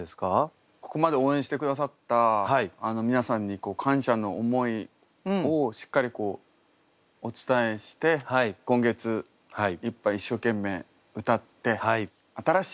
ここまで応援してくださった皆さんに感謝の思いをしっかりお伝えして今月いっぱい一生懸命歌って新しいスタートというか新しい地図で。